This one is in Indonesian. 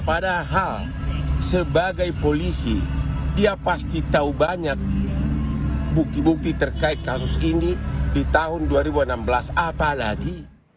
padahal sebagai polisi dia pasti tahu banyak bukti bukti terkait kasus ini di tahun dua ribu enam belas apalagi